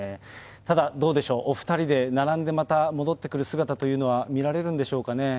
ただ、どうでしょう、お２人でまた並んでまた、戻ってくる姿というのは、見られるんでしょうかね。